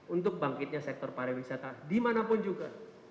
untuk bangkitnya sektor pariwisata dimanapun juga